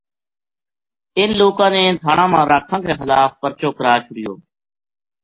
اِنھ لوکاں نے تھا نہ ما راکھاں کے خلاف پرچو کرا چھُڑیو